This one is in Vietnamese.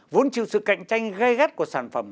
vốn chịu sự cạnh tranh gây gắt của sản phẩm